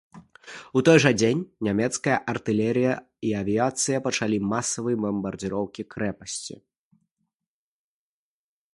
У той жа дзень нямецкая артылерыя і авіяцыя пачалі масавыя бамбардзіроўкі крэпасці.